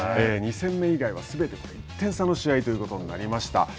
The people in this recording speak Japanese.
２戦目以外はすべて１点差の試合ということになりました。